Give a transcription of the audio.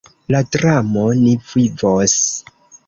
La dramo "Ni vivos!